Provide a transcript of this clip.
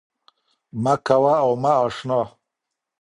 مـــــه كـــــوه او مـــه اشـــنـــا